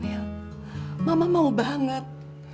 daniel mama mau banget